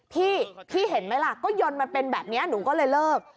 พี่พี่เห็นไหมล่ะก็ยนต์มันเป็นแบบนี้หนูก็เลยเลิก